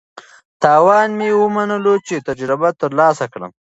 تاوان مې ومنلو چې تجربه ترلاسه کړم.